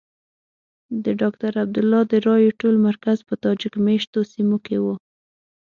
د ډاکټر عبدالله د رایو ټول مرکز په تاجک مېشتو سیمو کې وو.